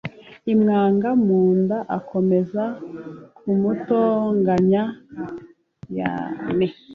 imwanga mu nda akomeza kumutonganya yane